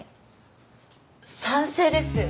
賛成です。